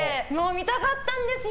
見たかったんですよ！